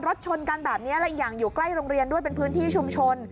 รถชนกันแบบนี้และอีกอย่างอยู่ใกล้โรงเรียนด้วยเป็นพื้นที่ชุมชน